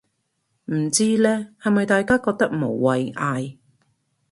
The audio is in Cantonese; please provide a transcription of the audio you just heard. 唔知呢，係咪大家覺得無謂嗌